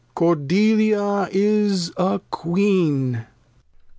Cordelia is a Queen.